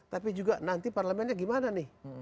tapi juga nanti parlemennya gimana nih